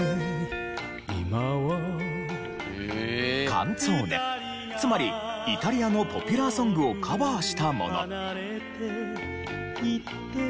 カンツォーネつまりイタリアのポピュラーソングをカバーしたもの。